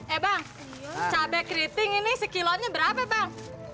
eh bang cabai keriting ini sekilonnya berapa bang